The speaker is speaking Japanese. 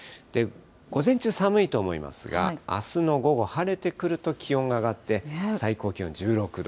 午前中、寒いと思いますが、あすの午後、晴れてくると、気温が上がって、最高気温１６度。